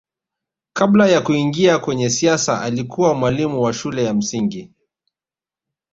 kabla ya kuingia kwenye siasa alikuwa mwalimu wa shule ya msingi